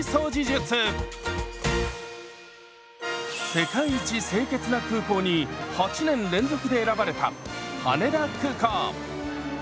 「世界一清潔な空港」に８年連続で選ばれた羽田空港。